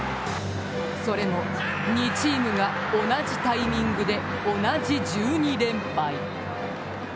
それも２チームが、同じタイミングで同じ１２連敗。